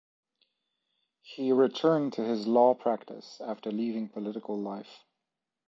He returned to his law practice after leaving political life.